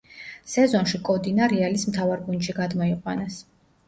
სეზონში კოდინა რეალის მთავარ გუნდში გადმოიყვანეს.